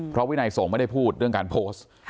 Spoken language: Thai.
เพราะวินัยส่งไม่ได้พูดเรื่องการโพสต์